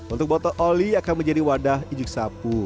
untuk botol oli akan menjadi wadah ijuk sapu